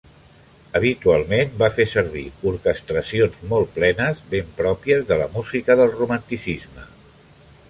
Habitualment va fer servir orquestracions molt plenes, ben pròpies de la música del Romanticisme.